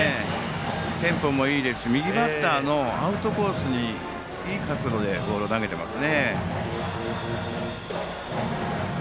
テンポもいいですし右バッターのアウトコースにいい角度でボールを投げています。